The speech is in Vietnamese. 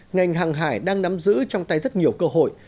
ngành hàng hải đang nắm giữ trong tay rất nhiều cơ hội